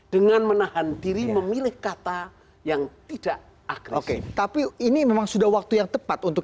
dengan menahan diri memilih kata yang tidak aktif tapi ini memang sudah waktu yang tepat untuk